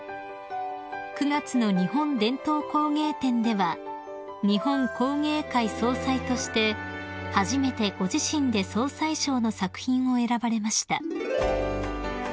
［９月の日本伝統工芸展では日本工芸会総裁として初めてご自身で総裁賞の作品を選ばれました］